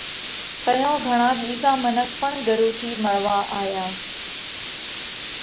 تئيون گھڻا ٻِيزا منک پڻ ڳرُو ٿِي مۯوا آيا۔